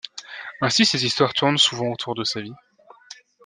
Ainsi ses histoires tournent souvent autour de sa vie.